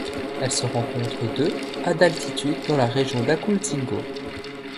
Elle se rencontre de à d'altitude dans la région d'Acultzingo.